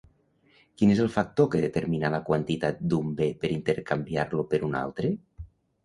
Quin és el factor que determina la quantitat d'un bé per intercanviar-lo per un altre?